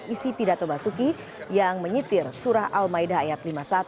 isi pidato basuki yang menyitir surah al maidah ayat lima puluh satu